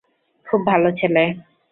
খুব ভালো ছেলে।